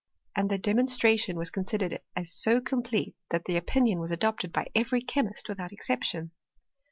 And the demonstration was considered as so complete that the opinion was adopted by every chemist without exception.